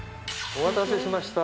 お待たせしました。